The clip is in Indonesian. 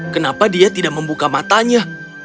kenapa dia tidak membuka matanya